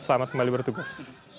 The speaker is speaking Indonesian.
selamat kembali bertugas